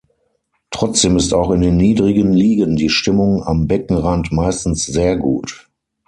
Trotzdem ist auch in den niedrigen Ligen die Stimmung am Beckenrand meistens sehr gut.